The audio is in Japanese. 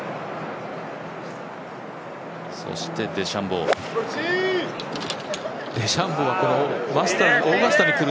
そしてデシャンボー。